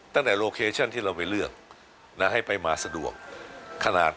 ตั้งแต่โลเคชั่นที่เราไปเลือกนะให้ไปมาสะดวกขนาด